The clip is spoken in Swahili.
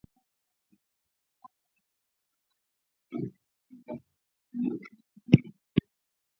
Jinsi ya keki ya viazi lishe